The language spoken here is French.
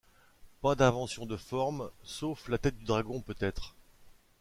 Pas d'invention de forme, sauf la tête du dragon peut-être.